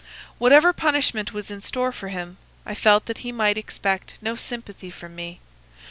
Whatever punishment was in store for him, I felt that he might expect no sympathy from me.